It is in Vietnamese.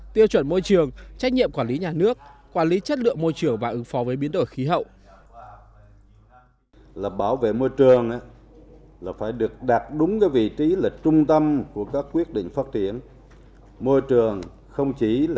tiêu chuẩn môi trường trách nhiệm quản lý nhà nước quản lý chất lượng môi trường